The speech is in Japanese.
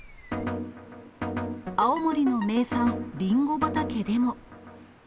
青森の名産、リンゴ畑でも。